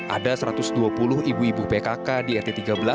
ada satu ratus dua puluh ibu ibu pkk di rt tiga belas